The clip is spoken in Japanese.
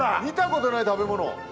見たことない食べ物！